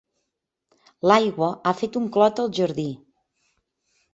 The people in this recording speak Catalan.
L'aigua ha fet un clot al jardí.